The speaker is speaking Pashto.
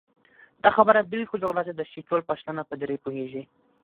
دا خبره بالکل غلطه ده چې ټول پښتانه په دري پوهېږي